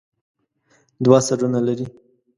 دوه سرونه لري.